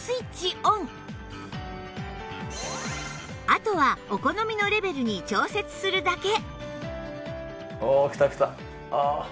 あとはお好みのレベルに調節するだけ